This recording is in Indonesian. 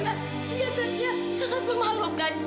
dia sangat memalukan